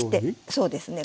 そうですね。